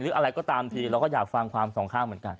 อะไรก็ตามทีเราก็อยากฟังความสองข้างเหมือนกัน